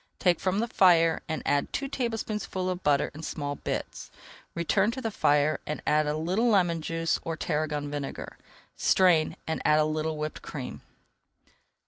Take from the fire and add two tablespoonfuls of butter in small bits. Return to the fire, and add a little lemon juice or tarragon vinegar. Strain, and add a little whipped cream.